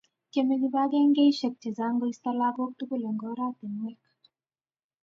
Tiemei kibagengeisiek che Chang koisto lagok tugul eng oratinwek